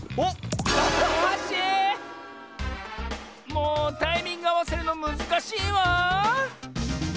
もうタイミングあわせるのむずかしいわ！